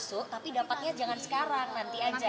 masuk tapi dapatnya jangan sekarang nanti aja